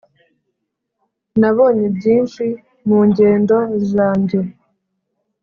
Nabonye byinshi mu ngendo zanjye,